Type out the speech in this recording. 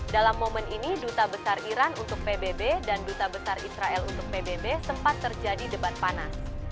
dalam momen ini duta besar iran untuk pbb dan duta besar israel untuk pbb sempat terjadi debat panas